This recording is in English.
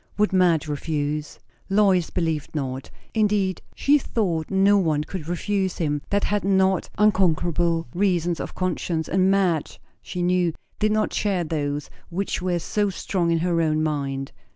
Would Madge refuse? Lois believed not. Indeed, she thought no one could refuse him, that had not unconquerable reasons of conscience; and Madge, she knew, did not share those which were so strong in her own mind.